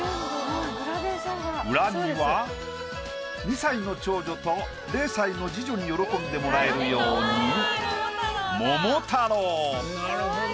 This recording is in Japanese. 裏には２歳の長女と０歳の次女に喜んでもらえるように桃太郎。